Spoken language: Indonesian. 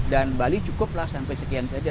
dan bali cukuplah sampai sekian saja